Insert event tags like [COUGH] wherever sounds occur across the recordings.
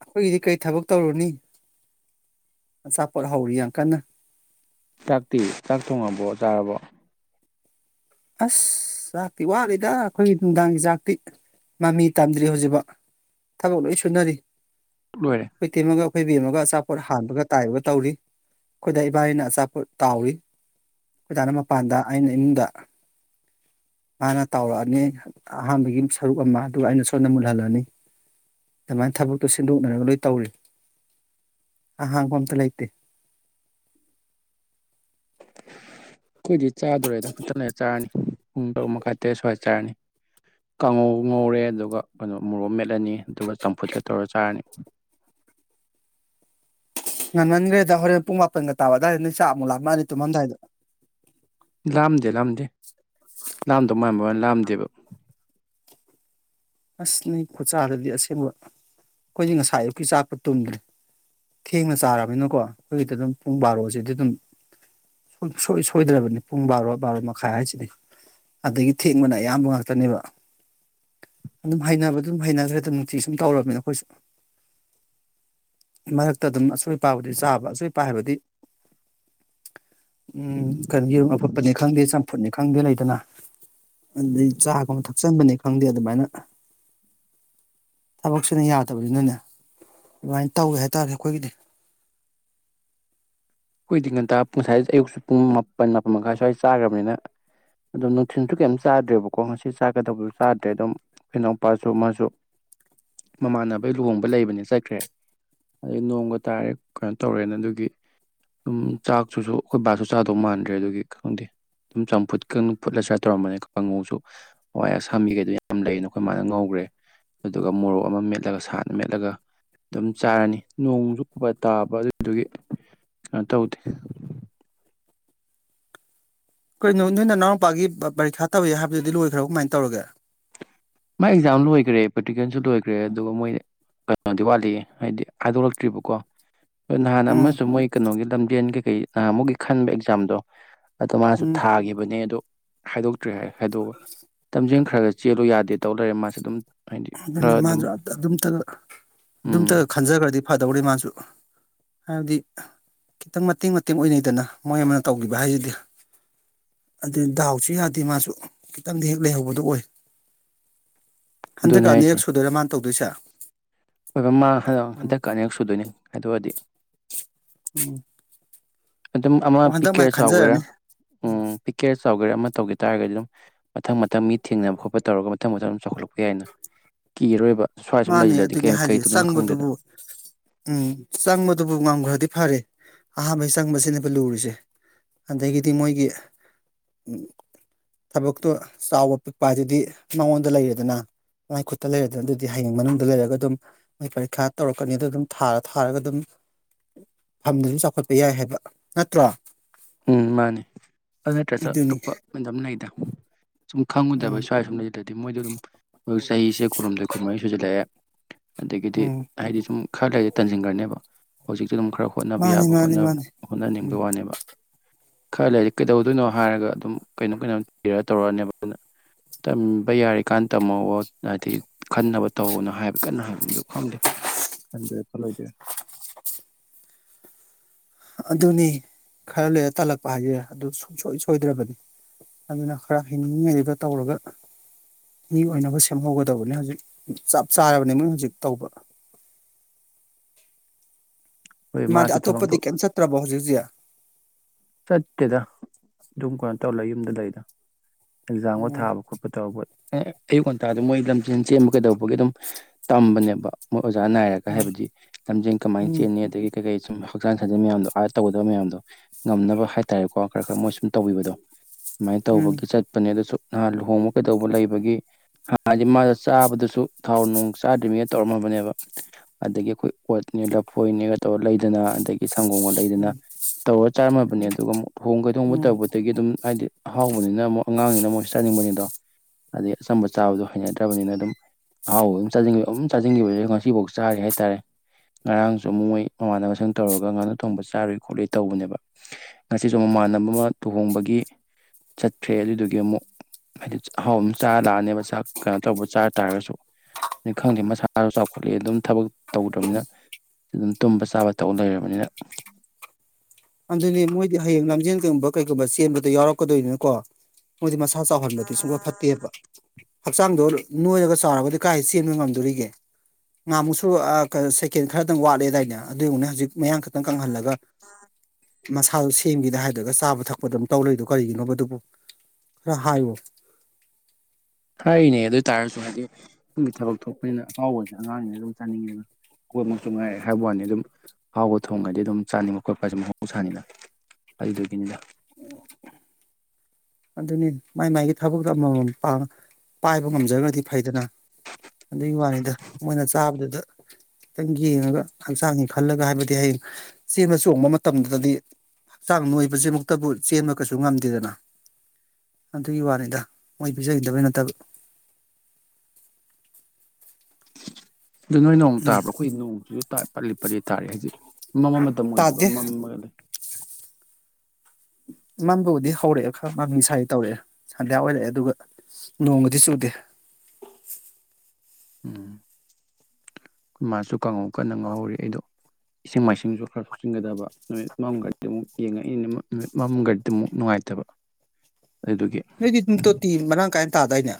ꯑꯩꯈꯣꯏꯒꯤꯗꯤ ꯀꯩ ꯊꯕꯛ ꯇꯧꯔꯨꯅꯤ ꯑꯆꯥꯄꯣꯠ ꯍꯧꯔꯤ ꯌꯥꯝ ꯀꯟꯅ ꯆꯥꯛꯇꯤ ꯆꯥꯛ ꯊꯣꯡꯉꯕꯣ ꯆꯥꯔꯕꯣ ꯑꯁ ꯆꯥꯛꯇꯤ ꯋꯥꯠꯂꯤꯗ ꯑꯩꯈꯣꯏꯒꯤ ꯅꯨꯡꯗꯥꯡꯒꯤ ꯆꯥꯛꯇꯤ ꯃꯃꯤ ꯇꯝꯗ꯭ꯔꯤ ꯍꯧꯖꯤꯛꯐꯥꯎ ꯊꯕꯛ ꯂꯣꯏ ꯁꯨꯅꯔꯤ ꯂꯣꯏꯔꯦ ꯈꯣꯏ ꯇꯩꯃꯒ ꯈꯣꯏ ꯕꯦꯃꯒꯥ ꯑꯆꯥꯄꯣꯠ ꯍꯥꯟꯕꯒ ꯇꯥꯏꯕꯒ ꯇꯧꯔꯤ ꯑꯩꯈꯣꯏꯗ ꯏꯕꯥꯏꯅ ꯑꯆꯥꯄꯣꯠ ꯇꯥꯎꯔꯤ ꯑꯩꯈꯣꯏꯗꯅ ꯃꯄꯥꯟꯗ ꯑꯩꯅ ꯏꯃꯨꯡꯗ ꯃꯥꯅ ꯇꯥꯎꯔꯛꯑꯅꯤ ꯑꯍꯥꯟꯕꯒꯤ ꯁꯔꯨꯛ ꯑꯃ ꯑꯗꯨꯒ ꯑꯩꯅ ꯁꯣꯝꯗ ꯃꯨꯜꯍꯜꯂꯅꯤ ꯑꯗꯨꯃꯥꯏꯅ ꯊꯕꯛꯇꯣ ꯁꯤꯟꯗꯣꯛꯅꯔꯒ ꯂꯣꯏ ꯇꯧꯔꯤ ꯑꯍꯥꯡꯕ ꯑꯝꯇ ꯂꯩꯇꯦ ꯑꯩꯈꯣꯏꯗꯤ ꯆꯥꯗꯣꯔꯦꯗ ꯉꯥꯛꯇꯥꯡ ꯂꯩꯔ ꯆꯥꯔꯅꯤ ꯄꯨꯡ ꯇꯔꯨꯛ ꯃꯈꯥꯏ ꯇꯔꯦꯠ ꯁ꯭ꯋꯥꯏꯗ ꯆꯥꯔꯅꯤ ꯀꯥꯡꯉꯧ ꯉꯧꯔꯦ ꯑꯗꯨꯒ ꯃꯣꯔꯣꯛ ꯃꯦꯠꯂꯅꯤ ꯑꯗꯨꯒ ꯆꯝꯐꯨꯠꯀ ꯇꯧꯔ ꯆꯥꯔꯅꯤ ꯉꯥꯟꯃꯟꯈ꯭ꯔꯦꯗ ꯍꯣꯔꯦꯟ ꯄꯨꯡ ꯃꯥꯄꯟꯒ ꯇꯥ ꯑꯗꯨꯋꯥꯏ ꯅꯣꯏ ꯆꯥꯛꯃꯨꯛ ꯂꯥꯝꯃꯛꯑꯅꯤ ꯇꯨꯝꯃꯝꯗꯥꯏꯗ ꯂꯥꯝꯗꯦ ꯂꯥꯝꯗꯦ ꯂꯥꯝꯗꯧ ꯃꯥꯟꯕ ꯋꯥꯅꯤ ꯂꯥꯝꯗꯦꯕ ꯑꯁ ꯅꯣꯏ ꯈꯨꯠꯆꯥꯥꯗꯨꯗꯤ ꯑꯁꯦꯡꯕ ꯈꯣꯏꯗꯤ ꯉꯁꯥꯏ ꯑꯌꯨꯛꯀꯤ ꯆꯥꯛꯄꯨ ꯇꯨꯝꯗ꯭ꯔꯤ ꯊꯦꯡꯅ ꯆꯥꯔꯕꯅꯤꯅꯀꯣ ꯍꯧꯖꯤꯛꯇꯤ ꯗꯨꯝ ꯄꯨꯡ ꯕꯥꯔꯣꯁꯤꯗꯤ ꯗꯨꯝ ꯁꯨꯛꯁꯣꯏ ꯁꯣꯏꯗ꯭ꯔꯕꯅꯤ ꯄꯨꯡ ꯕꯥꯔꯣ ꯕꯥꯔꯣ ꯃꯈꯥꯏ ꯍꯥꯏꯁꯤꯗꯤ ꯑꯗꯒꯤ ꯊꯦꯡꯕꯅ ꯑꯌꯥꯝꯕ ꯉꯥꯛꯇꯅꯦꯕ ꯑꯗꯨꯝ ꯍꯩꯅꯕ ꯗꯨꯝ ꯍꯩꯅꯈ꯭ꯔꯦꯗ ꯅꯨꯡꯇꯤꯒꯤ ꯁꯨꯝ ꯇꯧꯔꯕꯅꯤꯅ ꯑꯩꯈꯣꯏꯁꯨ ꯃꯔꯛꯇ ꯑꯗꯨꯝ ꯑꯁꯣꯏꯄꯥꯕꯨꯗꯤ ꯆꯥꯕ ꯑꯁꯣꯏꯄ ꯍꯥꯏꯕꯗꯤ ꯎꯝ ꯀꯔꯤ ꯌꯦꯔꯨꯝ ꯑꯐꯨꯠꯄꯅꯤ ꯈꯪꯗꯦ ꯆꯝꯐꯨꯠꯅꯤ ꯈꯪꯗꯦ ꯂꯩꯗꯅ ꯑꯗꯩ ꯆꯥꯒꯨꯝꯕ ꯊꯛꯆꯟꯕꯅꯤ ꯈꯪꯗꯦ ꯑꯗꯨꯃꯥꯏꯅ ꯊꯕꯛꯁꯤꯅ ꯌꯥꯗꯕꯅꯤꯅꯅꯦ ꯑꯗꯨꯃꯥꯏꯅ ꯇꯧꯋꯦ ꯍꯥꯏꯇꯥꯔꯦ ꯑꯩꯈꯣꯏꯒꯤꯗꯤ ꯑꯩꯈꯣꯏꯗꯤ ꯉꯟꯇ ꯉꯁꯥꯏ ꯑꯌꯨꯛꯁꯨ ꯄꯨꯡ ꯃꯥꯄꯟ ꯃꯥꯄꯟ ꯃꯈꯥꯏ ꯁ꯭ꯋꯥꯏ ꯆꯥꯈ꯭ꯔꯕꯅꯤꯅ ꯑꯗꯣ ꯅꯨꯡꯊꯤꯜꯁꯨ ꯀꯩꯝ ꯆꯥꯗ꯭ꯔꯦꯕꯀꯣ ꯉꯁꯤ ꯆꯥꯒꯗꯧꯕ ꯆꯥꯗ꯭ꯔꯦꯗꯣ ꯑꯗꯨꯝ ꯈꯣꯏ ꯏꯅꯥꯎꯄꯥꯁꯨ ꯃꯥꯁꯨ ꯃꯃꯥꯟꯅꯕꯩ ꯂꯨꯍꯣꯡꯕ ꯂꯩꯕꯅꯤ ꯆꯠꯈ꯭ꯔꯦ ꯑꯗꯩ ꯅꯣꯡꯒ ꯇꯥꯔꯦ ꯀꯩꯅꯣ ꯇꯧꯔꯦꯅ ꯑꯗꯨꯒꯤ ꯑꯗꯨꯝ ꯆꯥꯛꯇꯨꯁꯨ ꯑꯩꯈꯣꯏ ꯕꯥꯁꯨ ꯆꯥꯗꯧ ꯃꯥꯟꯗ꯭ꯔꯦ ꯑꯗꯨꯒꯤ ꯈꯪꯗꯦ ꯑꯗꯨꯝ ꯆꯝꯐꯨꯠꯀ ꯐꯨꯠꯂ ꯁꯤꯔ ꯇꯧꯔꯝꯕꯅꯦ ꯀꯥꯉꯧꯁꯨ ꯍꯋꯥꯏ ꯑꯁꯥꯡꯕꯤ ꯒꯗꯨ ꯌꯥꯝ ꯂꯩꯌꯦꯅ ꯑꯩꯈꯣꯏ ꯃꯥꯅ ꯉꯧꯈ꯭ꯔꯦ ꯑꯗꯨꯒ ꯃꯣꯔꯣꯛ ꯑꯃ ꯃꯦꯠꯂꯒ ꯁꯥꯅ ꯃꯦꯠꯂꯒ ꯑꯗꯨꯝ ꯆꯥꯔꯅꯤ ꯅꯣꯡ ꯁꯨ ꯄꯠ ꯄꯠ ꯇꯥꯕ ꯑꯗꯨꯏꯗꯨꯒꯤ ꯑꯥ ꯇꯧꯗꯦ ꯀꯩꯅꯣ ꯅꯣꯏ ꯅꯅꯥꯎ ꯄꯥꯒꯤ ꯄ ꯄꯔꯤꯈꯥ ꯇꯧꯏ ꯍꯥꯏꯕꯗꯨꯗꯤ ꯂꯣꯏꯈ꯭ꯔꯕꯣ ꯀꯃꯥꯏꯅ ꯇꯧꯔꯒꯦ ꯃꯥꯥꯏ ꯑꯦꯛꯖꯥꯝ ꯂꯣꯏꯈ꯭ꯔꯦ ꯄ꯭ꯔꯦꯛꯇꯤꯀꯦꯜꯁꯨ ꯂꯣꯏꯈ꯭ꯔꯦ ꯑꯗꯨꯒ ꯃꯣꯏ ꯀꯩꯅꯣꯗꯤ ꯋꯥꯠꯂꯤ ꯍꯥꯏꯗꯤ ꯍꯥꯏꯗꯣꯛꯂꯛꯇ꯭ꯔꯤꯕꯀꯣ ꯅꯍꯥꯟ ꯎꯝ ꯑꯃꯁꯨ ꯃꯣꯏ ꯀꯩꯅꯣꯒꯤ ꯂꯝꯖꯦꯟ ꯀꯩꯀꯩ ꯅꯍꯥꯟꯃꯨꯛꯒꯤ ꯈꯟꯕ ꯑꯦꯛꯖꯥꯝꯗꯣ ꯑꯗꯣ ꯃꯥꯁꯨ ꯎꯝ ꯊꯥꯈꯤꯕꯅꯦ ꯑꯗꯣ ꯍꯥꯏꯗꯣꯛꯇ꯭ꯔꯦ ꯍꯥꯏ ꯍꯥꯏꯗꯣꯛ ꯂꯝꯖꯟ ꯈꯔ ꯈꯔ ꯆꯦꯜꯂꯨ ꯌꯥꯗꯦ ꯇꯧ ꯂꯩꯔꯦ ꯃꯥꯁꯨ ꯑꯗꯨꯝ ꯍꯥꯏꯗꯤ ꯑꯗꯨꯅꯤ ꯈꯔ ꯃꯥꯁꯨ ꯑꯗꯨꯝ ꯑꯝꯇ ꯑꯗꯨꯝꯇꯒ ꯎꯝ ꯑꯗꯨꯝꯇꯒ ꯈꯟꯖꯈ꯭ꯔꯗꯤ ꯐꯗꯧꯅꯤꯃꯥꯁꯨ ꯍꯥꯏꯕꯗꯤ ꯈꯤꯇꯪ ꯃꯇꯦꯡ ꯃꯇꯦꯡ ꯑꯣꯏꯅꯩꯗꯅ ꯃꯣꯏ ꯑꯃꯅ ꯇꯧꯒꯤꯕ ꯍꯥꯏꯁꯤꯗꯤ ꯑꯗꯨꯅꯤ ꯗꯥꯎꯁꯨ ꯌꯥꯗꯦ ꯃꯥꯁꯨ ꯈꯤꯇꯪꯗ ꯍꯦꯛ ꯂꯩꯍꯧꯕꯗꯣ ꯑꯣꯏ ꯑꯗꯨꯅꯦ ꯍꯟꯗꯛꯀ ꯑꯅꯤꯔꯛ ꯁꯨꯗꯣꯏꯔꯥ ꯃꯥꯅ ꯇꯧꯗꯣꯏꯁꯦ ꯑꯣꯏꯕ ꯃꯥ ꯍꯟ ꯎꯝ ꯍꯟꯗꯛꯀ ꯑꯅꯤꯔꯛ ꯁꯨꯗꯣꯏꯅꯤ ꯑꯗꯨꯒꯥꯗꯤ ꯎꯝ ꯑꯗꯨꯝ ꯑꯃ ꯑꯣ ꯍꯟꯗꯛ ꯃꯥꯏ ꯄꯤꯛꯀꯦꯔꯥ ꯆꯥꯎꯒꯦꯔꯥ ꯈꯟꯖꯔꯅꯤ ꯎꯝ ꯄꯤꯛꯀꯦꯔ ꯆꯥꯎꯒꯦꯔ ꯑꯃ ꯇꯧꯒꯤ ꯇꯥꯔꯗꯤ ꯑꯗꯨꯝ ꯃꯊꯪ ꯃꯊꯪ ꯃꯤꯊꯦꯡꯅꯕ ꯈꯣꯠꯄ ꯇꯧꯔꯒ ꯃꯊꯪ ꯃꯊꯪ ꯆꯥꯎꯈꯠꯂꯛꯄꯤ ꯌꯥꯏꯅ ꯀꯤꯔꯣꯏꯕ ꯁ꯭ꯋꯥꯏ ꯁꯨꯝ ꯃꯥꯅꯦ ꯂꯩꯁꯤꯜꯂꯗꯤ ꯑꯗꯨꯅꯦ ꯀꯩ ꯀꯩ ꯍꯥꯏꯁꯦ ꯇꯧꯗꯣꯏꯅꯣ ꯈꯪꯗꯦꯗ ꯆꯪꯕꯗꯨꯕꯨ ꯎꯝ ꯆꯪꯕꯗꯨꯕꯨ ꯉꯝꯈ꯭ꯔꯗꯤ ꯐꯔꯦ ꯑꯍꯥꯥꯟꯕꯒꯤ ꯆꯪꯕꯁꯤꯅꯦꯕ ꯂꯨꯔꯤꯁꯦ ꯑꯗꯒꯤꯗꯤ ꯃꯣꯏꯒꯤ ꯎꯝ ꯊꯕꯛꯇꯨ ꯆꯥꯎꯕ ꯄꯤꯛꯄ ꯍꯥꯏꯗꯨꯗꯤ ꯃꯉꯣꯟꯗ ꯂꯩꯔꯦꯗꯅ ꯃꯥꯏ ꯈꯨꯠꯇ ꯂꯩꯔꯦꯗꯅ ꯑꯗꯨ ꯍꯌꯦꯡ ꯃꯅꯨꯡꯗ ꯂꯩꯔꯒ ꯑꯗꯨꯝ ꯃꯣꯏ ꯄꯔꯤꯈꯥ ꯇꯧꯔꯛꯀꯅꯤ ꯑꯗꯨ ꯑꯗꯨꯝ ꯊꯥꯔ ꯊꯥꯔꯒ ꯑꯗꯨꯝ ꯐꯝꯗꯨ ꯁꯨ ꯆꯥꯎꯈꯠꯄ ꯌꯥꯏ ꯍꯥꯏꯕ ꯅꯠꯇ꯭ꯔꯣ ꯎꯝ ꯃꯥꯅꯦ ꯑꯗꯨ ꯅꯠꯇ꯭ꯔꯁꯨ ꯑꯗꯨꯅꯤ ꯑꯇꯣꯞꯄ ꯃꯌꯥꯝ ꯂꯩꯗ ꯁꯨꯝ ꯎꯝ ꯈꯪꯉꯨꯗꯕ ꯁ꯭ꯋꯥꯏ ꯁꯨꯝ ꯂꯩ ꯑꯗꯩꯗꯤ ꯃꯣꯏꯗꯣ ꯑꯗꯨꯝ ꯆꯍꯤꯁꯦ ꯀꯨꯟꯍꯨꯝꯗꯣꯏ ꯀꯨꯟꯃꯔꯤ ꯁꯨꯖꯜꯂꯛꯑꯦ ꯑꯗꯒꯤꯗꯤ ꯎꯝ ꯍꯥꯏꯗꯤ ꯁꯨꯝ ꯈꯔ ꯂꯩꯔꯥꯗꯤ ꯇꯟꯖꯟꯈ꯭ꯔꯅꯤꯕꯥ ꯍꯧꯖꯤꯛꯁꯨ ꯑꯗꯨꯝ ꯈꯔ ꯍꯣꯠꯅꯥꯕ ꯃꯥꯅꯤ ꯌꯥꯕ ꯃꯥꯅꯤ ꯍꯣꯠꯅꯞ ꯃꯥꯅꯤ ꯍꯣꯠꯅꯥꯅꯤꯡꯕꯥ ꯎꯝ ꯋꯥꯅꯦꯕꯥ ꯈꯔ ꯂꯩꯔꯥꯗꯤ ꯀꯩꯗꯧꯗꯣꯏꯅꯣ ꯍꯥꯏꯔꯥꯒ ꯑꯗꯨꯝ ꯀꯩꯅꯣ ꯀꯩꯅꯣꯝ ꯊꯤꯔꯥ ꯇꯧꯔꯛꯑꯥꯅꯤꯕꯥ ꯑꯗꯨꯅꯥ ꯇꯝꯕꯥ ꯌꯥꯔꯤꯀꯥꯟꯗꯥ ꯇꯝꯍꯧꯑꯣ ꯍꯥꯏꯗꯤ ꯈꯟꯅꯥꯕ ꯇꯧꯅ ꯍꯥꯏꯕ ꯀꯟꯅ ꯍꯥꯏꯕꯅꯦ ꯗꯨ ꯈꯪꯗꯦ ꯈꯟꯗꯣꯏꯔꯥ ꯈꯜꯂꯣꯏꯗꯣꯢꯔꯥ ꯑꯗꯨꯅꯤ ꯈꯔ ꯂꯩꯔꯥ ꯇꯥꯜꯂꯛꯄꯥ ꯍꯥꯏꯁꯦ ꯑꯗꯨ ꯁꯨꯡꯁꯣꯏ ꯁꯣꯏꯗ꯭ꯔꯕꯥꯅꯤ ꯑꯗꯨꯅꯥ ꯈꯔ ꯍꯩꯅꯤꯡꯉꯩꯗꯨꯗꯥ ꯇꯧꯔꯥꯒ ꯃꯤ ꯑꯣꯏꯅꯥꯕ ꯁꯦꯝꯍꯧꯒꯥꯗꯥꯕꯅꯦ ꯍꯧꯖꯤꯛ ꯆꯞ ꯆꯥꯔꯥꯕꯅꯦ ꯃꯣꯏ ꯍꯧꯖꯤꯛ ꯇꯧꯕꯥ ꯍꯣꯏ ꯃꯥꯗꯤ ꯃꯥꯁꯨ ꯊꯕꯛ ꯑꯝꯇ ꯑꯇꯣꯞꯄꯥꯗꯤ ꯀ꯭ꯌꯦꯝ ꯆꯠꯇ꯭ꯔꯥꯕꯣ ꯍꯧꯖꯤꯛ ꯍꯧꯖꯤꯛ ꯆꯠꯇꯦꯗꯥ ꯑꯗꯨꯝ ꯀꯩꯅꯣ ꯇꯧꯔꯥ ꯂꯩ ꯌꯨꯝꯗꯥ ꯂꯩꯗꯥ ꯑꯦꯛꯖꯥꯝꯒꯥ ꯎꯝ ꯊꯥꯕꯥ ꯈꯣꯠꯄꯥ ꯇꯧꯕꯥ ꯑꯦ ꯑꯌꯨꯛ ꯉꯟꯇꯥꯗꯥ ꯃꯣꯏ ꯂꯝꯖꯦꯟ ꯆꯦꯟꯕꯥ ꯀꯩꯗꯧꯕꯒꯤ ꯑꯗꯨꯝ ꯇꯝꯕꯥꯅꯦꯕꯥ ꯃꯣꯏ ꯑꯣꯖꯥ ꯅꯥꯏꯔꯥꯒ ꯎꯝ ꯍꯥꯏꯕꯥꯗꯤ ꯂꯝꯖꯦꯟ ꯀꯃꯥꯏꯅꯥ ꯆꯦꯟꯅꯤ ꯑꯗꯩꯒꯤ ꯀꯩꯀꯩ ꯁꯨꯝ ꯍꯛꯆꯥꯡ ꯁꯥꯖꯦꯟ ꯃꯌꯥꯝꯗꯣ ꯑꯥꯗ ꯇꯧꯒꯥꯗꯕ ꯃꯌꯥꯝꯗꯣ ꯉꯝꯅꯥꯕ ꯍꯥꯏꯇꯥꯔꯦꯀꯣ ꯈꯔ ꯈꯔ ꯃꯣꯏ ꯁꯨꯝ ꯇꯧꯕꯤꯕꯥꯗꯣ ꯑꯗꯨꯨꯃꯥꯏꯅꯥ ꯎꯝ ꯇꯧꯕꯥꯒꯤ ꯆꯠ ꯆꯠꯄꯥꯅꯦ ꯑꯗꯨꯁꯨ ꯅꯍꯥꯟ ꯂꯨꯍꯣꯡꯕꯥ ꯀꯩꯗꯧꯕꯥ ꯂꯩꯕꯥꯒꯤ ꯍꯥꯟꯅꯥꯗꯤ ꯃꯥꯖꯨ ꯆꯥꯕꯥꯗꯨꯁꯨ ꯊꯥꯎ ꯅꯨꯡ ꯆꯥꯗ꯭ꯔꯤꯃꯤ ꯇꯧꯔꯝꯃꯥꯕꯅꯦꯕꯥ ꯑꯗꯥꯒꯤ ꯑꯩꯈꯣꯏ ꯑꯣꯠꯅꯦ ꯂꯥꯐꯣꯏꯅꯦꯒꯥ ꯇꯧꯔꯒ ꯂꯩꯗꯥꯅ ꯑꯗꯥꯒꯤ ꯁꯪꯒꯣꯝꯒꯥ ꯂꯩꯗꯥꯅ ꯎꯝ ꯎꯝ ꯇꯧꯔꯥ ꯆꯥꯔꯝꯃꯥꯕꯅꯤ ꯑꯗꯨꯒꯥ ꯑꯃꯨꯛ ꯍꯣꯡ [UNINTELLIGIBLE] ꯎꯝ ꯇꯧꯕꯗꯥꯒꯤ ꯑꯗꯨꯝ ꯍꯥꯏꯗꯤ ꯑꯍꯥꯎꯕꯥꯅꯤꯅꯥ ꯑꯃꯨꯛ ꯑꯉꯥꯡꯅꯤꯅꯥ ꯑꯃꯨꯛ ꯆꯥꯅꯤꯡꯕꯥꯅꯤꯗꯣ ꯑꯗꯩ ꯑꯆꯝꯕꯥ ꯆꯥꯕꯗꯣ ꯍꯩꯅꯥꯗ꯭ꯔꯕꯥꯅꯤꯅꯥ ꯑꯗꯨꯝ ꯑꯍꯥꯎꯕꯥ ꯑꯗꯨꯝ ꯆꯥꯖꯤꯟꯈꯤꯕꯥ ꯑꯗꯨꯝ ꯆꯥꯖꯤꯟꯈꯤꯕꯥ ꯁꯤꯅ ꯉꯥꯁꯤꯐꯥꯎ ꯆꯥꯔꯤ ꯍꯥꯏ ꯇꯥꯔꯦ ꯉꯔꯥꯡꯁꯨ ꯑꯃꯨꯛ ꯃꯣꯏ ꯃꯃꯥꯟꯅꯥꯕ ꯃꯥꯁꯦꯟ ꯇꯧꯔꯥꯒ ꯉꯥꯅꯨ ꯊꯣꯡꯕꯥ ꯆꯥꯔꯨꯏ ꯈꯣꯠꯂꯨꯏ ꯇꯧꯕꯥꯅꯦꯕꯥ ꯉꯥꯁꯤꯁꯨ ꯃꯃꯥꯟꯅꯥꯕ ꯑꯃ ꯂꯨꯍꯣꯡꯕꯥꯒꯤ ꯆꯠꯈ꯭ꯔꯦ ꯑꯗꯨꯗꯨꯒꯤ ꯑꯃꯨꯛ ꯍꯥꯏꯗꯤ ꯑꯍꯥꯎ ꯑꯃ ꯆꯥꯔ ꯂꯥꯛꯑꯥꯅꯤꯕꯥ ꯆꯥꯛ ꯀꯩꯅꯣ ꯇꯧꯕꯥ ꯆꯥ ꯇꯥꯔꯥꯒꯥꯁꯨ ꯈꯪꯗꯦ ꯃꯁꯥꯁꯨ ꯆꯥꯎꯈꯠꯂꯛꯑꯦ ꯑꯗꯨꯝ ꯊꯥꯕꯛ ꯇꯧꯗ꯭ꯔꯕꯅꯤꯅꯥ ꯑꯗꯨꯝ ꯇꯨꯝꯕꯥ ꯆꯥꯕ ꯇꯧ ꯂꯩꯔꯥꯕꯅꯤꯅꯥ ꯑꯗꯨꯅꯦ ꯃꯣꯏꯗꯤ ꯍꯥꯌꯦꯡ ꯂꯝꯖꯦꯜꯀꯩꯒꯨꯝꯕꯥ ꯀꯩꯒꯨꯝꯕꯥ ꯆꯦꯟꯕꯥꯗꯣ ꯌꯥꯎꯔꯛꯀꯥꯗꯣꯏꯅꯤꯅꯥꯀꯣ ꯃꯣꯏꯗꯤ ꯃꯁꯥ ꯆꯥꯎꯍꯟꯕꯥꯗꯤ ꯁꯨꯡ ꯐꯠ ꯐꯠꯇꯦꯕꯥ ꯍꯛꯆꯥꯡꯗꯣ ꯅꯣꯏꯔꯥꯒ ꯆꯥꯎꯔꯥꯒꯥꯗꯤ ꯀꯥꯏ ꯆꯦꯟꯕꯥ ꯉꯝꯗꯧꯔꯤꯒꯦ ꯉꯥꯍꯟꯃꯨꯛꯁꯨ ꯑꯥ ꯀ ꯁꯦꯀꯦꯟ ꯈꯔꯗꯪ ꯋꯥꯠꯂꯦ ꯗꯥꯏꯅꯦ ꯑꯗꯨ ꯌꯦꯡꯉꯨꯅꯦ ꯍꯧꯖꯤꯛ ꯃꯌꯥꯡ ꯈꯥꯇꯪ ꯀꯪꯍꯜꯂꯥꯒꯥ ꯃꯁꯥꯗꯣ ꯁꯦꯝꯒꯦꯗꯤ ꯍꯥꯏꯗ꯭ꯔꯒꯥ ꯆꯥꯕ ꯊꯛꯄꯥꯗ ꯑꯗꯨꯝ ꯇꯧ ꯂꯩꯗꯨꯕꯨ ꯀꯔꯤꯒꯤꯅꯣꯕꯥ ꯑꯗꯨꯕꯨ ꯈꯔ ꯍꯥꯏꯌꯨ ꯍꯥꯏꯔꯤꯅꯦ ꯑꯗꯨ ꯇꯥꯥꯔꯥꯁꯨ ꯍꯥꯏꯗꯤ ꯁꯨꯝꯒꯤ ꯊꯥꯕꯛ ꯊꯣꯛꯄꯥꯅꯤꯅꯥ ꯑꯍꯥꯎꯕꯥꯅꯤꯅꯥ ꯑꯉꯥꯡꯅꯤꯅꯥ ꯑꯗꯨꯝ ꯆꯥꯅꯤꯡꯉꯤꯗꯥꯅ ꯀꯣꯏꯃꯛꯁꯨ ꯉꯥꯏꯔꯦ ꯍꯥꯏꯕꯥ ꯋꯥꯅꯦ ꯑꯗꯨꯝ ꯑꯍꯥꯎꯕꯥ ꯊꯣꯡꯉꯥꯗꯤ ꯑꯗꯨꯝ ꯆꯥꯅꯤꯡꯕꯥ ꯈꯣꯠꯄꯥꯁꯤ ꯃꯍꯧꯁꯥꯅꯤꯅꯥ ꯑꯗꯨꯗꯨꯒꯤꯅꯤꯗꯥ ꯑꯗꯨꯅꯤ ꯃꯥꯏ ꯃꯥꯏꯒꯤ ꯊꯥꯕꯛꯇꯣ ꯑꯃꯃꯝ ꯄꯥꯡ ꯄꯥꯏꯕ ꯉꯝꯖꯒ꯭ꯥꯔꯗꯤ ꯐꯩꯗꯥꯅ ꯑꯗꯨꯒꯤ ꯋꯥꯅꯤꯗꯥ ꯃꯣꯏꯅ ꯆꯥꯕꯗꯨꯗꯥ ꯈꯤꯇꯪ ꯌꯦꯡꯉꯥꯒ ꯍꯛꯆꯥꯡꯒꯤ ꯈꯜꯂꯥꯒ ꯍꯥꯏꯕꯗꯤ ꯍꯥꯌꯦꯡ ꯆꯦꯟꯕꯥ ꯆꯣꯡꯕꯥ ꯃꯇꯝꯗꯨꯗꯥꯗꯤ ꯍꯛꯆꯥꯡ ꯅꯣꯏꯕꯥꯁꯤꯃꯨꯛꯇꯥꯕꯨ ꯆꯦꯟꯕꯥ ꯀꯩꯁꯨ ꯉꯝꯗꯦꯗꯥꯅ ꯑꯗꯨꯒꯤ ꯋꯥꯅꯤꯗꯥ ꯃꯣꯏ ꯄꯤꯖꯥꯈꯤꯗꯥꯕꯩ ꯅꯠꯇꯥꯕ ꯑꯗꯨ ꯅꯣꯏ ꯅꯣꯡ ꯇꯥꯕ꯭ꯔꯥ ꯑꯩꯈꯣꯏ ꯅꯣꯡꯗꯨꯁꯨ ꯇꯥꯏ ꯄꯜꯂꯤ ꯄꯜꯂꯤ ꯇꯥꯔꯤ ꯍꯥꯏꯖꯤꯛ ꯃꯝꯃꯥ ꯃꯇꯝ ꯑꯣꯏꯗ꯭ꯔꯤꯕꯥ ꯇꯥꯗꯦ ꯃꯝꯃꯥꯒꯥ ꯂꯩ ꯃꯪꯕꯥꯕꯨꯗꯤ ꯍꯧꯔꯛꯑꯦ ꯈꯔ ꯃꯃꯤ ꯁꯥꯔꯤ ꯇꯧꯔꯛꯑꯦ ꯁꯟꯗ꯭ꯌꯥ ꯑꯣꯏꯔꯛꯑꯦ ꯑꯗꯨꯒꯥ ꯅꯣꯡꯒꯥꯗꯤ ꯆꯨꯗꯦ ꯎꯝ ꯃꯥꯁꯨ ꯀꯥꯡꯉꯧ ꯀꯟꯅꯥ ꯉꯥꯎꯍꯧꯔꯤ ꯑꯩꯗꯣ ꯏꯁꯤꯡ ꯃꯥꯏꯁꯤꯡꯁꯨ ꯈꯔ ꯁꯣꯛꯆꯤꯟꯒꯥꯗꯕ ꯅꯨꯃꯤꯠ ꯃꯝꯒ꯭ꯔꯗꯤ ꯑꯃꯨꯛ ꯌꯦꯡꯉꯛꯏꯅꯦ ꯅꯨꯃꯤꯠ ꯃꯝꯒ꯭ꯔꯗꯤ ꯑꯃꯨꯛ ꯅꯨꯡꯉꯥꯏꯇꯦ ꯐꯠꯇꯥꯕ ꯑꯗꯨꯒꯤ ꯅꯣꯏꯗꯤ ꯑꯗꯨꯝ ꯇꯣꯇꯤ ꯃꯔꯥꯡ ꯀꯥꯏꯅ ꯇꯥꯗꯥꯏꯅꯦ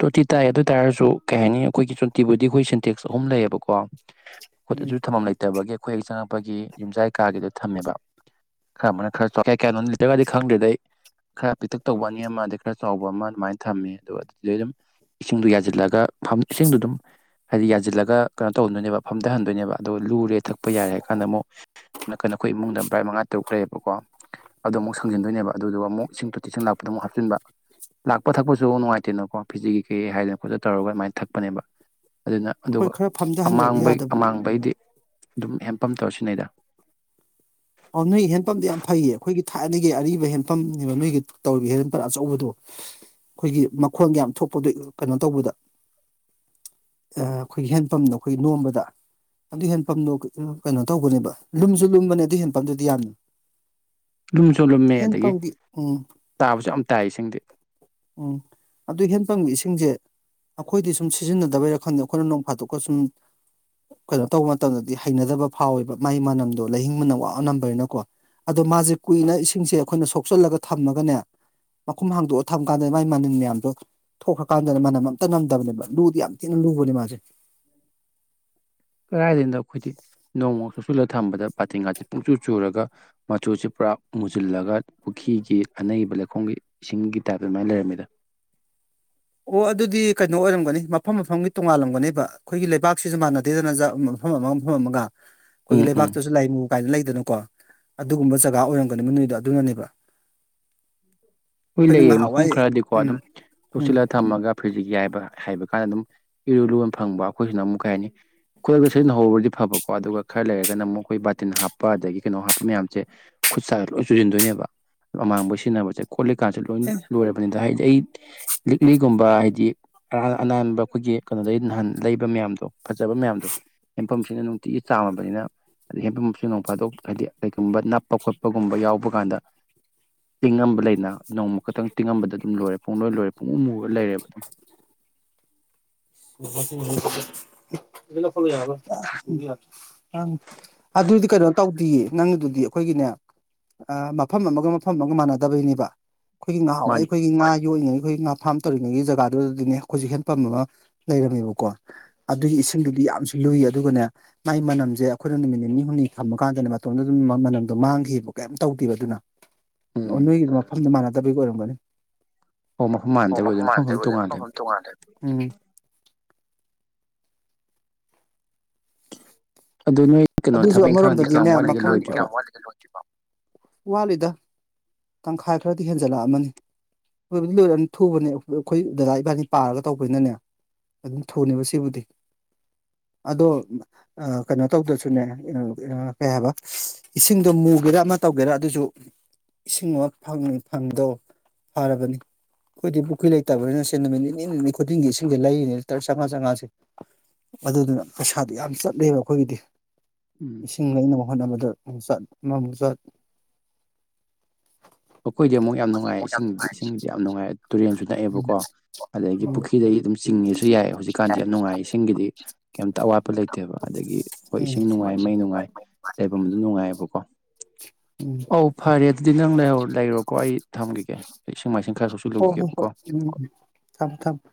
ꯇꯣꯇꯤ ꯇꯥꯏ ꯑꯗꯨ ꯇꯥꯔꯁꯨ ꯀꯩ ꯍꯥꯏꯅꯤ ꯑꯩꯈꯣꯏꯒꯤ ꯐꯤꯜꯇꯤꯕꯨꯗꯤ ꯑꯩꯈꯣꯏ ꯁꯤꯟꯇꯦꯛꯁ ꯑꯍꯨꯝ ꯂꯩꯌꯦꯕꯀꯣ ꯑꯈꯣꯏ ꯎꯝ ꯑꯗꯨ ꯊꯝꯐꯝ ꯂꯩꯇꯕꯒꯤ ꯑꯩꯈꯣꯏ ꯍꯦꯛ ꯆꯪꯉꯛꯄꯒꯤ ꯌꯨꯝꯖꯥꯏ ꯀꯥꯒꯤꯗ ꯊꯝꯃꯦꯕ ꯈꯔ ꯑꯃꯅ ꯈꯔ ꯆꯥꯌꯦ ꯀꯌꯥ ꯀꯌꯥꯅꯣ ꯂꯤꯇ꯭ꯔꯒꯗꯤ ꯈꯪꯗꯦꯗ ꯑꯩ ꯈꯔ ꯄꯤꯛꯇꯛ ꯇꯧꯕ ꯑꯅꯤ ꯑꯃ ꯑꯗꯩ ꯈꯔ ꯆꯥꯎꯕ ꯑꯃ ꯑꯗꯨꯃꯥꯏꯅ ꯊꯝꯃꯦ ꯑꯗꯨꯒ ꯂꯩꯔꯝꯃꯤ ꯏꯁꯤꯡꯗꯨ ꯌꯥꯖꯤꯜꯂꯒ ꯐꯝ ꯏꯁꯤꯡꯗꯨ ꯑꯗꯨꯝ ꯍꯥꯏꯗꯤ ꯌꯥꯟꯖꯤꯜꯂꯒ ꯀꯩꯅꯣ ꯇꯧꯗꯣꯏꯅꯦꯕ ꯐꯝꯗꯍꯟꯗꯣꯏꯅꯦꯕ ꯑꯗꯨꯒ ꯂꯨꯔꯦ ꯊꯛꯄ ꯌꯥꯔꯦ ꯍꯥꯏ ꯀꯥꯟꯗ ꯑꯃꯨꯛ ꯅꯀꯟꯗ ꯑꯈꯣꯏ ꯏꯃꯨꯡꯗ ꯚ꯭ꯔꯥꯏꯠ ꯃꯉꯥ ꯇꯔꯨꯛ ꯂꯩꯌꯦꯕꯀꯣ ꯑꯗꯨ ꯑꯃꯨꯛ ꯁꯪꯖꯤꯟꯗꯣꯏꯅꯦꯕ ꯑꯗꯨꯗꯨꯒ ꯑꯃꯨꯛ ꯏꯁꯤꯡ ꯇꯣꯇꯤꯁꯤꯡ ꯂꯥꯛꯄꯗ ꯑꯃꯨꯛ ꯍꯥꯞꯆꯤꯟꯕ ꯂꯥꯛꯄ ꯊꯛꯄꯁꯨ ꯅꯨꯡꯉꯥꯏꯇꯦꯅ ꯀꯣ ꯐꯤꯖꯤ ꯀꯩ ꯀꯩ ꯍꯥꯏꯗꯅ ꯈꯣꯠꯇꯅ ꯇꯧꯔꯒ ꯑꯗꯨꯃꯥꯏ ꯊꯛꯄꯅꯦꯕ ꯑꯗꯨꯅ ꯍꯣꯏ ꯑꯗꯨꯒ ꯈꯔ ꯐꯝꯊꯍꯟꯗ꯭ꯔꯗꯤ ꯑꯃꯥꯡꯕꯩ ꯌꯥꯗꯕꯅꯤ ꯑꯃꯥꯡꯕꯩꯗꯤ ꯑꯗꯨꯝ ꯍꯦꯝꯄꯝ ꯇꯧꯔꯁꯤꯟꯅꯩꯗ ꯑꯣ ꯅꯣꯏ ꯍꯦꯟꯄꯝꯗꯤ ꯌꯥꯝ ꯐꯩꯌꯦ ꯑꯩꯈꯣꯏꯒꯤ ꯊꯥꯏꯅꯒꯤ ꯑꯔꯤꯕ ꯍꯦꯟꯄꯝꯅꯦꯕ ꯅꯣꯏꯒꯤ ꯇꯧꯔꯤꯕ ꯍꯦꯟ ꯍꯦꯟꯄꯝ ꯑꯆꯧꯕꯗꯣ ꯑꯩꯈꯣꯏꯒꯤ ꯃꯈꯣꯟꯒ ꯌꯥꯝ ꯊꯣꯛꯄꯗꯣ ꯀꯩꯅꯣ ꯇꯧꯕꯗ ꯑꯩ ꯑꯩꯈꯣꯏꯒꯤ ꯍꯦꯟꯄꯝꯗꫭ ꯑꯩꯈꯣꯏꯒꯤ ꯅꯣꯝꯕꯗ ꯑꯗꯨ ꯍꯦꯟꯄꯝꯗꯣ ꯀꯩꯅꯣ ꯇꯧꯕꯅꯦꯕ ꯂꯨꯝꯁꯨ ꯂꯨꯝꯕꯅꯦ ꯑꯗꯨ ꯍꯦꯟꯄꯝꯗꯨꯗꯤ ꯌꯥꯝꯅ ꯂꯨꯝꯁꯨ ꯂꯨꯝꯃꯦ ꯑꯗꯒꯤ ꯍꯦꯟꯄꯝꯒꯤ ꯎꯝ ꯇꯥꯕꯁꯨ ꯌꯥꯝ ꯇꯥꯏ ꯏꯁꯤꯡꯗꯤ ꯑꫭ ꯑꯗꯨꯏ ꯍꯦꯟꯄꯝꯒꯤ ꯏꯁꯤꯡꯖꯦ ꯑꯩꯈꯣꯏꯗꯤ ꯁꯨꯝ ꯁꯤꯖꯤꯟꯅꯗꯕꯩꯔ ꯈꯪꯗꯦ ꯑꯩꯈꯣꯏꯅ ꯅꯣꯡ ꯐꯥꯗꯣꯛꯀ ꯁꯨꯝ ꯀꯩꯅꯣ ꯇꯧꯕ ꯃꯇꯝꯗꯗꯤ ꯍꯩꯅꯗꯕ ꯐꯥꯎꯋꯦꯕ ꯃꯥꯏ ꯃꯅꯝꯗꯣ ꯂꯩꯍꯤꯡ ꯃꯅꯝ ꯋꯥ ꯅꯝꯕꯅꯤꯅꯀꯣ ꯑꯗꯣ ꯃꯥꯁꯦ ꯀꯨꯏꯅ ꯏꯁꯤꯡꯁꯦ ꯑꯩꯈꯣꯏꯅ ꯁꯣꯛꯆꯜꯂꯒ ꯊꯝꯃꯒꯅꯦ ꯃꯈꯨꯝ ꯍꯥꯡꯗꯣꯛ ꯊꯝ ꯀꯥꯟꯗ ꯃꯥꯏ ꯃꯅꯤꯟ ꯃꯌꯥꯝꯗꯣ ꯊꯣꯛꯈ꯭ꯔꯀꯥꯟꯗ ꯃꯅꯝ ꯑꯝꯇ ꯅꯝꯗꯕꯅꯦꯕ ꯂꯨꯗꯤ ꯌꯥꯝ ꯊꯤꯅ ꯂꯨꯕꯅꯦ ꯃꯥꯁꯦ ꯀꯗꯥꯏꯗꯩꯅꫭ ꯑꯩꯈꯣꯏꯗꯤ ꯅꯣꯡꯃ ꯀꯨꯞꯆꯜꯂ ꯊꯝꯕꯗ ꯕꯥꯥꯇꯤꯟꯒꯥꯁꯦ ꯄꯨꯡꯆꯨ ꯆꯨꯔꯒ ꯃꯆꯨꯖꯤ ꯄꯨꯔꯥ ꯃꯨꯁꯤꯜꯂꯒ ꯄꯨꯈ꯭ꯔꯤꯒꯤ ꯑꯅꯩꯕ ꯂꯩꯈꯣꯝꯒꯤ ꯏꯁꯤꯡꯒꯤ ꯇꯥꯏꯞꯇ ꯑꯗꯨꯃꯥꯏ ꯂꯩꯔꯝꯃꯤꯗ ꯑꯣ ꯑꯗꯨꯗꯤ ꯀꯩꯅꯣ ꯑꯣꯏꯔꯝꯒꯅꯤ ꯃꯐꯝ ꯃꯐꯝꯒꯤ ꯇꯣꯉꯥꯜꯂꯝꯒꯅꯦꯕ ꯑꯩꯈꯣꯏꯒꯤ ꯂꯩꯕꯥꯛꯁꯤꯖꯨ ꯃꯥꯟꯅꯗꯦꯗꯅ ꯃꯐꯝ ꯑꯃ ꯃꯐꯝ ꯑꯃꯒ [INAUDIBLE] ꯑꯩꯈꯣꯏꯒꯤ ꯂꯩꯕꯥꯛꯇꯁꯨ ꯂꯥꯏꯃꯨ ꯀꯥꯏꯅ ꯂꯩꯗꯅꯀꯣ ꯑꯗꯨꯒꯨꯝꯕ ꯖꯒꯥ ꯑꯣꯏꯔꯝꯒꯅꯤꯕ ꯅꫭꯏꯗꯣ ꯑꯗꯨꯅꯅꯦꯕ ꯍꫭꯏ ꯑꯩꯈꯣꯏꯅ ꯂꯩꯌꯦ ꯃꯐꯝ ꯉꯍꯥꯟꯋꯥꯏ ꯈꯔꯗꯤꯀꯣ ꯎꯝ ꯑꯗꯨꯝ ꯎꯝ ꯇꯣꯛꯁꯤꯜꯂ ꯊꯝꯃꯒ ꯐ꯭ꯔꯤꯖꯤꯀꯤ ꯍꯥꯏꯕ ꯍꯥꯏꯕ ꯀꯥꯟꯗ ꯑꯗꯨꯝ ꯏꯔꯨ ꯂꯨꯕ ꯐꯪꯕ ꯑꯩꯈꯣꯏꯁꯤꯅ ꯑꯃꯨꯛ ꯀꯩ ꯍꯥꯏꯅꯤ ꯈꯣꯏꯕ ꯁꯤꯖꯤꯟꯅ ꯍꯧꯔꯗꯤ ꯐꯕꯀꯣ ꯑꯗꯨꯒ ꯈꯔ ꯂꯩꯔꯒꯅ ꯑꯃꯨꯛ ꯑꯩꯈꯣꯏ ꯕꯥꯇꯤꯟ ꯍꯥꯞꯄ ꯑꯗꯒꯤ ꯀꯩꯅꯣ ꯍꯥꯞꯄ ꯃꯌꯥꯝꯁꯦ ꯈꯨꯠꯁꯥꯗ ꯂꯣꯏ ꯆꯨꯁꯤꯟꯗꯣꯏꯅꯦꯕ ꯑꯃꯥꯡꯕꯩ ꯁꯤꯖꯤꯟꯅꯕꯁꯦ ꯈꯣꯠꯂꯤꯀꯥꯟꯁꯦ ꯂꯣꯏ ꯑꯦ ꯂꯣꯏꯔ ꯕꯅꯤꯗ ꯍꯥꯏꯗꯤ ꯑꯩ ꯂꯤꯛꯂꯤꯒꯨꯝꯕ ꯍꯥꯏꯗꯤ ꯑ ꯑꯅꯥꯟꯕ ꯑꯩꯈꯣꯏꯒꯤ ꯀꯩꯅꯣꯗꯩ ꯅꯍꯥꯟ ꯂꯩꯕ ꯃꯌꯥꯝꯗꯣ ꯐꯖꯕ ꯃꯌꯥꯝꯗꯣ ꯍꯦꯟꯄꯝꯁꯤꯅ ꯑꯗꯨꯝ ꯇꯤꯒꯤ ꯆꯥꯝꯃꯕꯅꯤꯅ ꯑꯗꯩ ꯍꯦꯟꯄꯝꯁꯤ ꯅꫭꯡ ꯐꯥꯗꯣꯛ ꯍꯥꯏꯗꯤ ꯀꯩꯒꯨꯝꯕ ꯅꯞꯄ ꯈꯣꯠꯄꯒꯨꯝꯕ ꯌꯥꯎꯕ ꯀꯥꯟꯗ ꯆꯤꯡꯉꯝ ꯂꯩꯅ ꯅꯣꯡꯃ ꯈꯛꯇꯪ ꯇꯤꯡꯉꯝꯕꯗ ꯑꯗꯨꯝ ꯂꯣꯔꯦ ꯄꯨꯡ ꯂꯣꯏ ꯂꯣꯏꯔꯦ ꯄꯨꯡ ꯃꯨꯃꯨꯨꯔꯒ ꯂꯩꯔꯦꯕ [UNINTELLIGIBLE] ꯑꯗꯨ ꯂꯧꯈꯠꯂꫭ ꯌꯥꯔꯔꫭꯏ ꯑꯪ ꯑꯗꯨꯗꯤ ꯀꯩꯅꯣ ꯇꯧꯗꯤꯌꯦ ꯅꯪꯗꯨꯗꯤ ꯑꯩꯈꯣꯏꯒꯤꯅꯦ ꯑ ꯃꯐꯝ ꯑꯃꯒ ꯃꯐꯝ ꯑꯃꯒ ꯃꯥꯟꯅꯗꯕꯩꯅꯦꯕ ꯑꯩꯈꯣꯏꯒꯤ ꯅꯍꯋꯥꯏ ꯃꯥꯅꯤ ꯑꯩꯈꯣꯏꯒꯤ ꯉꯥ ꯌꯣꯛꯏꯉꯩ ꯑꯩꯈꯣꯏ ꯉꯥ ꯐꯥꯝ ꯇꯧꯔꯤꯉꯩ ꯖꯒꯥꯗꯨꯗꯗꯤꯅꯦ ꯑꯩꯈꯣꯏꯖꯨ ꯍꯦꯟꯄꯝ ꯑꯃ ꯂꯩꯔꯝꯃꯦꯕꯀꯣ ꯑꯗꯨꯒꯤ ꯏꯁꯤꯡꯗꯨꯗꯤ ꯌꯥꯝꯁꯨ ꯂꯨꯏ ꯑꯗꯨꯒꯅꯦ ꯃꯥꯏ ꯃꯅꯝꯖꯦ ꯑꯩꯈꯣꯏꯅ ꯅꯨꯃꯤꯠ ꯅꯤꯅꯤ ꯍꯨꯝꯅꯤ ꯊꯝꯃ ꯀꯥꯟꯗꯅꯦ ꯃꯇꯣꯝꯗ ꯑꯗꯨꯝ ꯃꯅꯝꯗꯣ ꯃꯥꯡꯈꯤꯕ ꯀꯩꯝ ꯇꯧꯗꯦꯕ ꯑꯗꯨꯅ ꯑꯣ ꯎꯝ ꯅꯣꯏꯒꯤ ꯃꯐꯝꯗꯨ ꯃꯥꯟꯅꯗꯕꯒꯤ ꯑꯣꯏꯔꯝꯒꯅꯤ ꯑꯣ ꯃꯐꯝ ꯑꯣ ꯃꯥꯟꯅꯗꯕ ꯃꯐꯝ ꯑꯣꯏꯗꯣꯏꯅꯤ ꯃꯥꯟꯅꯗꯕꯩ ꯑꫭꯏꯗꯨꯅꯦ ꯇꯣꯉꯥꯜꯂꯦ ꯃꯐꯝ ꯐꯝ ꯇꯣꯡꯉꯥꯟꯜꯂꯦ ꯎꯝ ꯑꯗꯨ ꯅꯣꯏ ꯀꯩꯅꯣ ꯑꯗꯨꯁꯨ ꯊꯕꯛ ꯏꯪꯈꯥꯡꯗꯤ ꯑꯃꯔꯣꯝꯗꯗꯤꯅꯦ ꯀꯌꯥꯝ ꯋꯥꯠꯂꯤꯒꯦ ꯂꯣꯏꯗ꯭ꯔꯤꯕꯣ [UNINTELLIGIBLE] ꯋꯥꯠꯂꯤꯗ ꯇꯪꯈꯥꯏ ꯈꯔꯗꯤ ꯍꯦꯟꯖꯜꯂꯛꯑꯃꯅꯤ ꯂꯣꯢꯕꯗꯤ ꯂꯣꯏꯔꯅꯤ ꯊꯨꯕꯅꯦ ꯑꯩꯈꯣꯏ ꯗꯗꯥ ꯏꯕꯥꯅꯤ ꯄꯥꯔꯒ ꯇꯧꯕꯅꯤꯅꯅꯦ ꯑꯗꯨꯝ ꯊꯨꯅꯦꯕ ꯁꯤꯕꯨꯗꯤ ꯑꯗꯣ ꯑꯥ ꯀꯩꯅꯣ ꯇꯧꯗ꯭ꯔꯥꯁꯨ [UNINTELLIGIBLE] ꯀꯩ ꯍꯥꯏꯕ ꯏꯁꯤꯡꯗꯣ ꯃꯨꯒꯦꯔꯥ ꯑꯃ ꯇꯧꯒꯦꯔꯥ ꯑꯗꯨꯁꯨ ꯏꯁꯤꯡ ꯑꯃ ꯐꯪꯉꯤ ꯐꯉꯤꯗꯣ ꯐꯔꯕꯅꯤ꯫ ꯑꯩꯈꯣꯏꯗꯤ ꯄꯨꯈꯤ ꯂꯩꯇꯕꯅꯤꯅ ꯁꯦ ꯅꯨꯃꯤꯠ ꯅꯤꯅꯤ ꯅꯤꯅꯤ ꯈꯨꯗꯤꯡꯒꯤ ꯏꯁꯤꯡꯁꯦ ꯂꯩꯔꯤꯅꯤ ꯂꯤꯇꯔ ꯆꯝꯉꯥ ꯆꯝꯉꯥꯁꯦ ꯑꯗꯨꯗꯨꯅ ꯄꯩꯁꯥꯗꯣ ꯌꯥꯝ ꯆꯠꯂꯦꯕ ꯑꯩꯈꯣꯏꯒꯤꯗꯤ ꯎꯝ ꯏꯤꯡ ꯂꯩꯅꯕ ꯍꯣꯠꯅꯕꯗ ꯃꯆꯠ ꯑꯃ ꯃꯨꯛꯆꯠ ꯑꯩꯈꯣꯏꯗꯤ ꯑꯃꯨꯛ ꯌꯥꯝ ꯅꯨꯡꯉꯥꯏ ꯏꯁꯤꯡꯗꯤ ꯏꯁꯤꯡꯗꯤ ꯌꯥꯝ ꯅꯨꯡꯉꯥꯏ ꯇꯨꯔꯦꯟꯁꯨ ꯅꯛꯑꯦꯕꯀꯣ ꯑꯗꯒꯤ ꯎꯝ ꯄꯨꯈ꯭ꯔꯤꯗꯒꯤ ꯑꯗꯨꯝ ꯆꯤꯡꯉꯦꯁꯨ ꯌꯥꯏ ꯍꯧꯖꯤꯛꯀꯥꯟꯗꯤ ꯌꯥꯝ ꯅꯨꯡꯉꯥꯏ ꯏꯁꯤꯡꯒꯤꯗꯤ ꯀꯩꯝꯇ ꯑꯋꯥꯠꯄ ꯂꯩꯇꯦꯕ ꯑꯗꯒꯤ ꯍꯣꯏ ꯎꯝ ꯎꯝ ꯏꯁꯤꯡ ꯅꯨꯡꯉꯥꯏ ꯃꯩ ꯅꯨꯡꯉꯥꯏ ꯂꯩꯕꯝ ꯑꯗꯨꯝ ꯅꯨꯡꯉꯥꯏꯑꯦꯕꯀꯣ ꯎꯝ ꯐꯔꯦ ꯑꯗꯨꯗꯤ ꯅꯪ ꯂꯩꯍꯎ ꯂꯩꯔꯣꯀꯣ ꯑꯩ ꯊꯝꯒꯤꯒꯦ ꯑꯩ ꯢꯁꯤꯡꯃꯥꯏꯁꯤꯡ ꯈꯔ ꯍꯣ ꯍꯣ ꯁꯣꯛꯆꯤꯜꯂꯨꯈꯤꯒꯦꯕꯀꯣ ꯍꯣꯏ ꯎꯝ ꯊꯝꯃꯦ ꯊꯝꯃꯦ